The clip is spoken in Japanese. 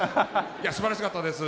いやすばらしかったです。